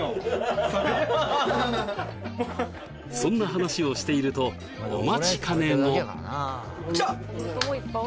そんな話をしているとお待ちかねの来た！